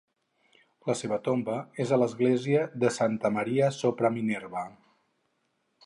La seva tomba és a l'església de Santa Maria sopra Minerva.